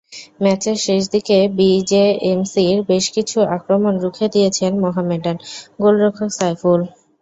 ম্যাচের শেষ দিকে বিজেএমসির বেশ কিছু আক্রমণ রুখে দিয়েছেন মোহামেডান গোলরক্ষক সাইফুল।